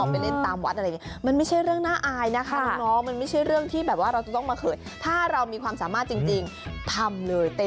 มันไม่ใช่เรื่องน่าอาย